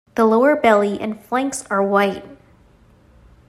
The lower belly and flanks are white.